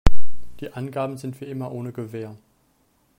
Die Angaben sind wie immer ohne Gewähr.